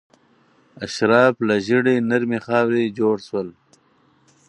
اشراف له ژیړې نرمې خاورې جوړ شول.